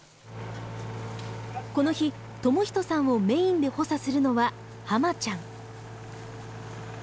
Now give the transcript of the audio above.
この日智仁さんをメインで補佐するのははまちゃん。